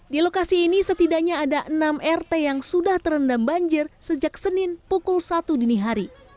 di lokasi ini setidaknya ada enam rt yang sudah terendam banjir sejak senin pukul satu dini hari